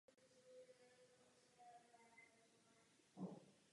Jsou to převážně stálezelené stromy se střídavými jednoduchými listy.